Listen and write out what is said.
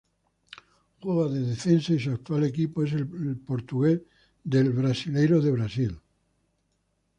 Juega de defensa y su actual equipo es el Portuguesa del Brasileirao de Brasil.